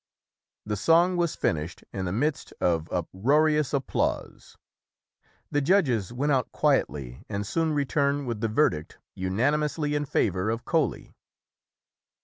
The song was finished in the midst of uproarious applause. The judges went out quietly and soon returned with the ver dict unanimously in favor of "Coaly".